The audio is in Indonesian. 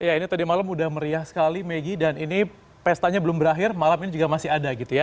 ya ini tadi malam udah meriah sekali maggie dan ini pestanya belum berakhir malam ini juga masih ada gitu ya